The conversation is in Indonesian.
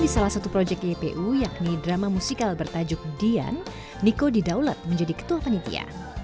di salah satu proyek ypu yakni drama musikal bertajuk dian niko didaulat menjadi ketua panitia